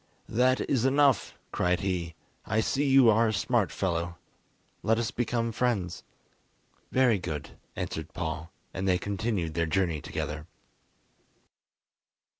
"That is enough," cried he; "I see you are a smart fellow, let us become friends." "Very good," answered Paul, and they continued their journey together.